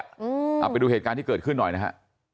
เอาไปดูเหตุการณ์ที่เกิดขึ้นหน่อยนะฮะ